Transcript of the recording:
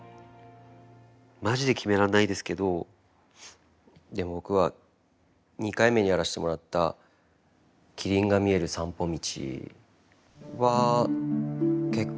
マジで決めらんないですけどでも僕は２回目にやらせてもらった「キリンが見える散歩道」は結構思い出深いですね。